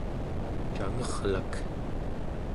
cangerlak